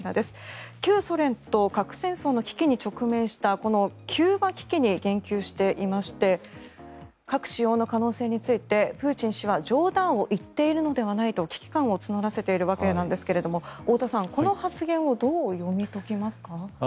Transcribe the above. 旧ソ連と核戦争の危機に直面したこのキューバ危機に言及していまして核使用の可能性についてプーチン氏は冗談を言っているのではないと危機感を募らせているわけなんですが太田さん、この発言をどう読み解きますか。